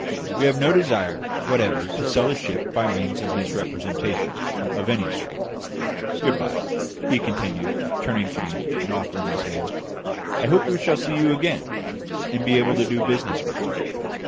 We have no desire whatever to sell the ship by means of misrepresentation of any sort. Good bye," he continued, turning to me, and offering his hand; "I hope we shall see you again, and be able to do business with you."